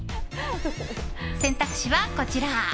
選択肢はこちら。